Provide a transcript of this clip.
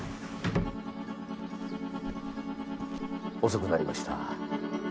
遅くなりました。